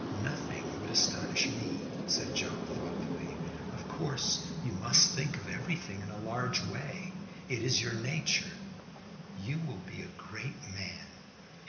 "Nothing would astonish me," said Joe, thoughtfully. "Of course you must think of everything in a large way it is your nature. You will be a great man."